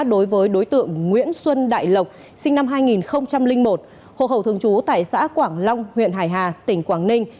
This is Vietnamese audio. đối với đối tượng nguyễn xuân đại lộc sinh năm hai nghìn một hồ khẩu thường trú tại xã quảng long huyện hải hà tỉnh quảng ninh